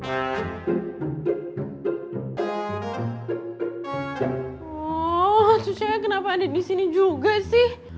aduh susahnya kenapa ada di sini juga sih